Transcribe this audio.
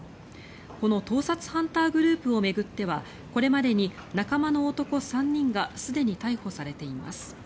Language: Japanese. この盗撮ハンターグループを巡ってはこれまでに仲間の男３人がすでに逮捕されています。